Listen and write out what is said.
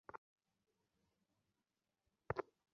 তিনি এই কুমিরের পিঠে চড়ে নদী পার হতেন।